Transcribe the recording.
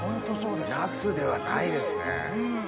ナスではないですね。